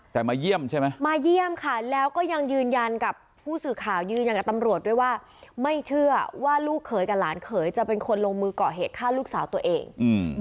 แต่มาเยี่ยมใช่ไหมมาเยี่ยมค่ะแล้วก็ยังยืนยันกับผู้สื่อข่าวยืนยันกับตำรวจด้วยว่าไม่เชื่อว่าลูกเขยกับหลานเขยจะเป็นคนลงมือก่อเหตุฆ่าลูกสาวตัวเอง